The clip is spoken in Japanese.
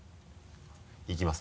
いきます